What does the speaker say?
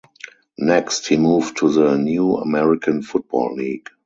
Next, he moved to the new American Football League.